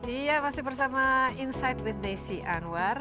iya masih bersama insight with desi anwar